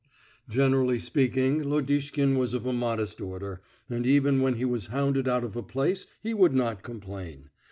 Generally speaking, Lodishkin was of a modest order, and even when he was hounded out of a place he would not complain.